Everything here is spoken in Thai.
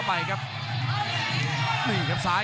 คมทุกลูกจริงครับโอ้โห